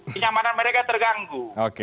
penyamanan mereka terganggu